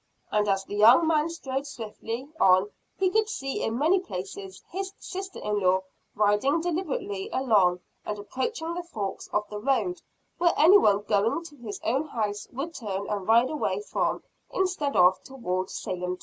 And, as the young man strode swiftly, on he could see in many places his sister in law, riding deliberately along, and approaching the forks of the road, where anyone going to his own house, would turn and ride away from, instead of toward Salem.